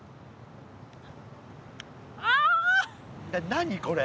何これ？